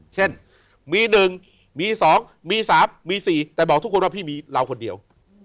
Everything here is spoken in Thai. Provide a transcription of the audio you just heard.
เช่นมีหนึ่งมีสองมีสามมีสี่แต่บอกทุกคนว่าพี่มีเราคนเดียว